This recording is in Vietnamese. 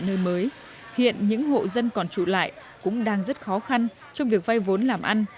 nơi mới hiện những hộ dân còn trụ lại cũng đang rất khó khăn trong việc vay vốn làm ăn